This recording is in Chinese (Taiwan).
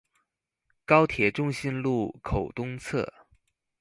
高鐵重信路口東側